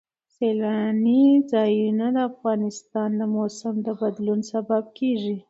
سیلاني ځایونه د افغانستان د موسم د بدلون سبب کېږي.